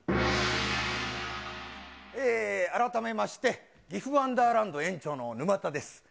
改めまして、ぎふワンダーランド園長のぬまたです。